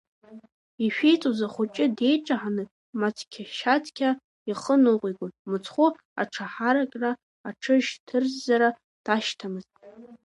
Ишәиҵоз ахәыҷы деиҷаҳаны, мацқьа-шьацқьа ихы ныҟәигон, мыцхәы аҽаҳаракра, аҽыршьҭырззара дашьҭамызт.